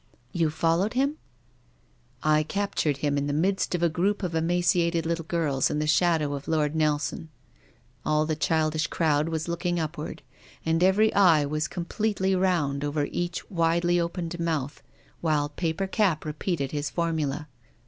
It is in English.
" You followed him ?"" I captured him in the midst of a group of emaciated little girls in the shadow of Lord Nelson. All the childish crowd was looking up THE RAINBOW. 29 ward, and every eye was completely round over each widely opened mouth, while paper cap re peated his formula.